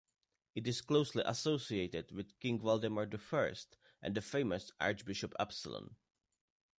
It is closely associated with King Valdemar I and the famous Archbishop Absalon.